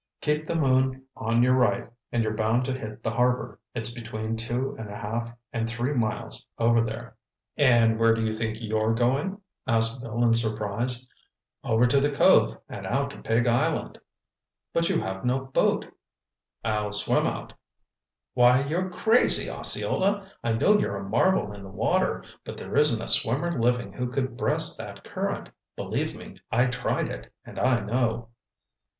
Keep the moon on your right and you're bound to hit the harbor. It's between two and a half and three miles over there." "And where do you think you're going?" asked Bill in surprise. "Over to the cove and out to Pig Island!" "But you've no boat." "I'll swim out." "Why, you're crazy, Osceola! I know you're a marvel in the water, but there isn't a swimmer living who could breast that current. Believe me, I tried it, and I know."